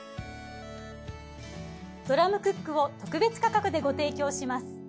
ドラムクックを特別価格でご提供します。